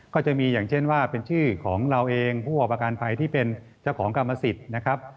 ก็จะมีอย่างเช่นว่าเป็นชื่อของเราเองผู้ประกอบการไทยที่เป็นเจ้าของกรรมสิทธิ์นะครับ